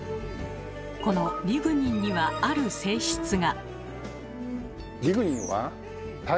このリグニンにはある性質が。